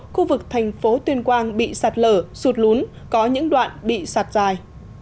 khu vực thành phố tuyên quang bị sạt lở sụt lún có những đoạn bị sạt dài